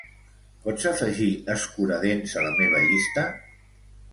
Pots afegir escuradents a la meva llista?